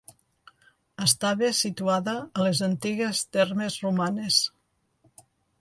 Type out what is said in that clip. Estava situada a les antigues Termes Romanes.